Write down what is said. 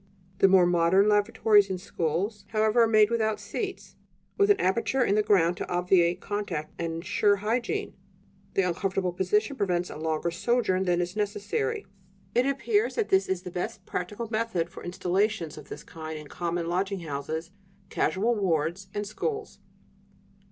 The more modern lavatories in schools, however, are made without seats; with an aperture in the ground to obviate contact and ensure hygiene: the uncomfortable position prevents a longer sojourn than is necessary. It appears that this is the best practical method for installations of this kind in common lodging houses, casual wards, and schools."